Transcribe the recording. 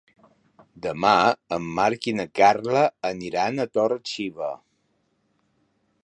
Demà en Marc i na Carla aniran a Torre-xiva.